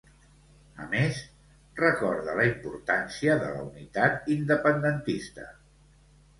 A més, recorda la importància de la unitat independentista.